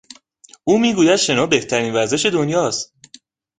او میگوید شنا بهترین ورزش دنیا است.